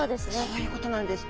そういうことなんです。